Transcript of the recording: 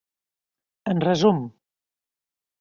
En resum.